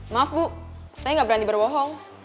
maaf bu saya nggak berani berbohong